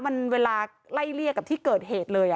มันเวลาไล่เลี่ยกับที่เกิดเหตุเลย